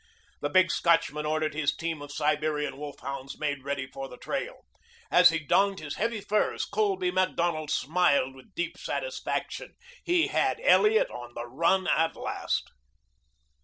The big Scotchman ordered his team of Siberian wolf hounds made ready for the trail. As he donned his heavy furs, Colby Macdonald smiled with deep satisfaction. He had Elliot on the run at last.